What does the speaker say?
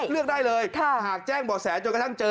เลือกได้เลยหากแจ้งบ่อแสจนกระทั่งเจอ